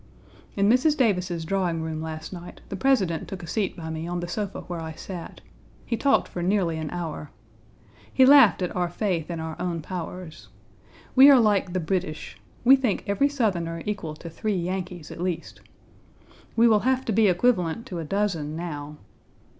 In Mrs. Davis's drawing room last night, the President took a seat by me on the sofa where I sat. He talked for nearly an hour. He laughed at our faith in our own powers. We are like the British. We think every Southerner equal to three Yankees at least. We will have to be equivalent to a dozen now.